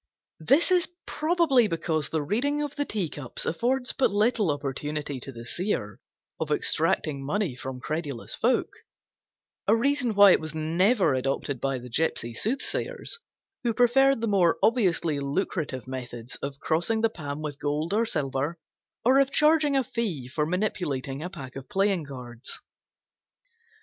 This is probably because the Reading of the Tea cups affords but little opportunity to the Seer of extracting money from credulous folk; a reason why it was never adopted by the gypsy soothsayers, who preferred the more obviously lucrative methods of crossing the palm with gold or silver, or of charging a fee for manipulating a pack of playing cards.